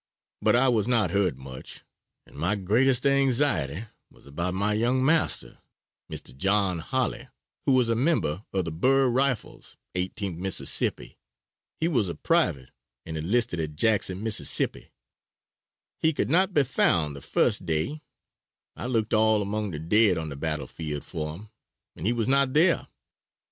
But I was not hurt much, and my greatest anxiety was about my young master, Mr. John Holly, who was a member of the Bur Rifles, 18th Mississippi. He was a private and enlisted at Jackson, Miss. "He could not be found the first day; I looked all among the dead on the battle field for him and he was not there.